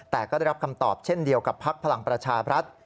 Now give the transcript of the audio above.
แต่ก็ได้รับคำตอบเช่นเดียวกับพักพลังประชาบรัฐ